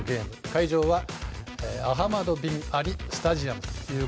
会場はアハマド・ビン・アリスタジアム。